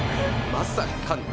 まさかの。